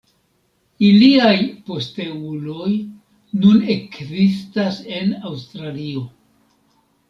Iliaj posteuloj nun ekzistas en Aŭstralio.